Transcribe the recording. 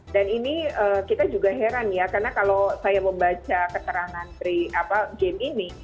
dan ini kita juga heran ya karena kalau saya membaca keterangan game ini